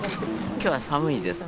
きょうは寒いですか？